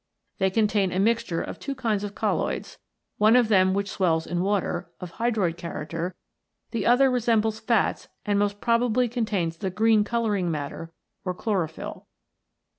They contain a mixture of two kinds of colloids, one of them which swells in water, of hydroid character, the other resembles fats and most probably contains the green colouring matter or ^Chlorophyll.